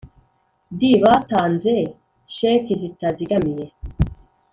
d Batanze sheki zitazigamiye